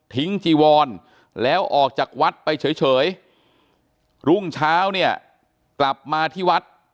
จีวรแล้วออกจากวัดไปเฉยรุ่งเช้าเนี่ยกลับมาที่วัด